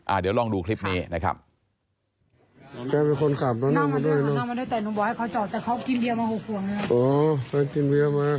เดี๋ยวลองดูคลิปนี้นะครับ